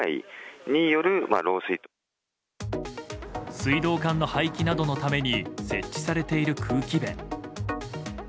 水道管の排気などのために設置されている空気弁。